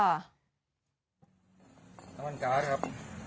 น้ำมันก๊าซครับ